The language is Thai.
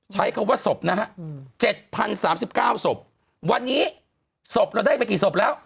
ใช้คำว่าสบนะฮะเจ็ดพันสามสิบเก้าสบวันนี้สบเราได้ไปกี่สบแล้ว